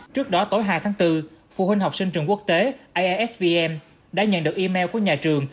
trước đó tối hai tháng bốn phụ huynh học sinh trường quốc tế aisvn đã nhận được email của nhà trường